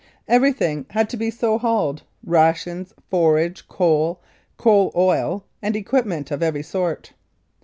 Everything had to be so hauled rations, forage, coal, coal oil, and equipment of every sort.